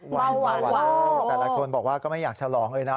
วันมาวันโลกแต่ละคนบอกว่าก็ไม่อยากฉลองเลยนะ